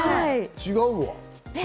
違うわ！